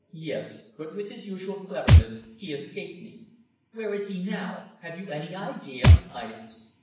"Yes, but with his usual cleverness he escaped me." "Where is he now? Have you any idea?" I asked.